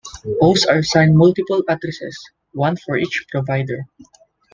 Hosts are assigned multiple addresses, one for each provider.